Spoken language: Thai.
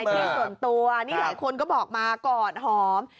ที่ส่วนตัวนี่หลายคนก็บอกมากอดหอม